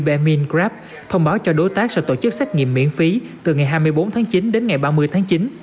bermin grab thông báo cho đối tác sẽ tổ chức xét nghiệm miễn phí từ ngày hai mươi bốn tháng chín đến ngày ba mươi tháng chín